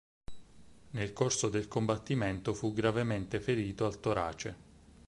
Nel corso del combattimento fu gravemente ferito al torace.